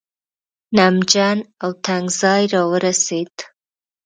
نمجن او تنګ ځای راورسېد.